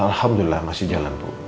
alhamdulillah masih jalan tuh